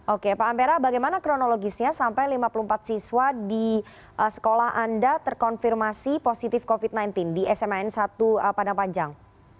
oke pak ampera bagaimana kronologisnya sampai lima puluh empat siswa di sekolah anda terkonfirmasi positif covid sembilan belas di sma n satu padang panjang